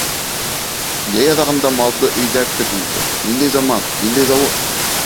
Йәй аҙағында малды өйҙә көт инде, ниндәй заман, ниндәй зауыҡ!